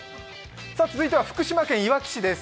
続いては福島県いわき市です。